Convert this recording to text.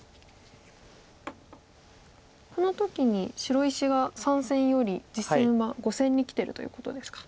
この時に白石が３線より実戦は５線にきてるということですか。